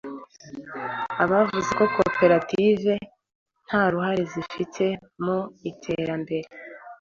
Abavuze ko koperative nta ruhare zifite mu iterambere